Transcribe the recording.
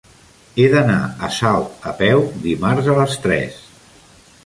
He d'anar a Salt a peu dimarts a les tres.